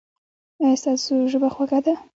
ایا ستاسو ژبه خوږه ده؟